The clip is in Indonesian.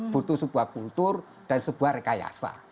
butuh sebuah kultur dan sebuah rekayasa